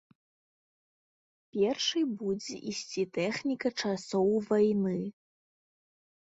Першай будзе ісці тэхніка часоў вайны.